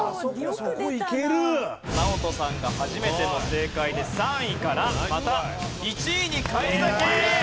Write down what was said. ナオトさんが初めての正解で３位からまた１位に返り咲き！